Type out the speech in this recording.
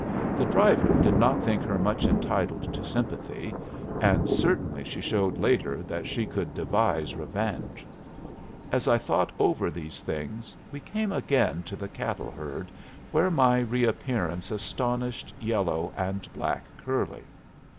The driver did not think her much entitled to sympathy, and certainly she showed later that she could devise revenge. As I thought over these things we came again to the cattle herd, where my reappearance astonished yellow and black curly.